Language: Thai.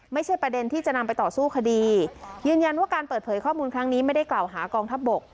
ไม่ใช่ประเด็นที่จะนำไปต่อสู้คดียืนยันว่าการเปิดเผยข้อมูลครั้งนี้ไม่ได้กล่าวหากองทัพบก